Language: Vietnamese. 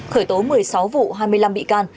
khởi tố một mươi sáu vụ hai mươi năm bị can